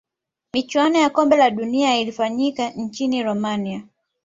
michuano ya kombe la dunia ya ilifanyika nchini romania